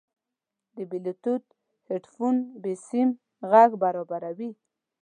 د بلوتوث هیډفون بېسیم غږ برابروي.